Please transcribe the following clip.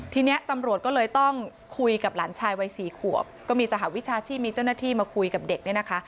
ทีนี้ตำรวจก็เลยต้องคุยกับหลานชายวัยสี่ขวบก็มีสหวิชาชีพมีเจ้าหน้าที่มาคุยกับเด็กเนี่ยนะคะ